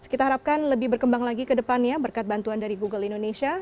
kita harapkan lebih berkembang lagi ke depannya berkat bantuan dari google indonesia